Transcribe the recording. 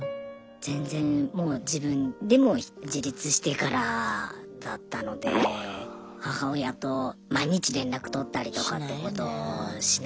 全然もう自分でもう自立してからだったので母親と毎日連絡とったりとかってことしないので。